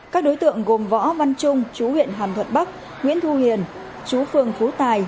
các đối tượng gồm võ văn trung chú huyện hàm thuận bắc nguyễn thu hiền chú phường phú tài